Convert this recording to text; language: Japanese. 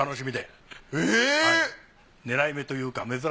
狙い目というか。